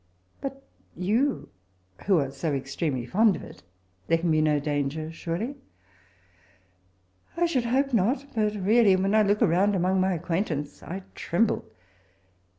^"* But you, who are so extremely fond of it — there can be no danger, surely?' " 'I should hope not ; but really, when I look around among my acquaintance, I tremble.